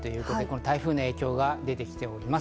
台風の影響が出てきております。